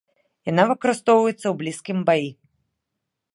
Яна выкарыстоўваецца ў блізкім баі.